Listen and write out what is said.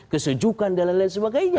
kesejukan dll dan sebagainya